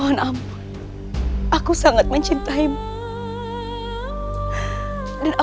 suara dan suara tak menjadi suaranya